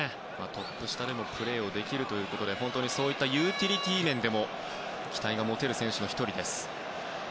トップ下でもプレーができるということで本当にユーティリティー面でも期待が持てる選手です。